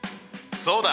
そうだ！